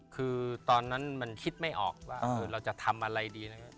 คือตอนนั้นมันคิดไม่ออกว่าเราจะทำอะไรดีนะครับ